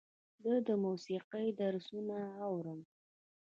زه د موسیقۍ درسونه اورم.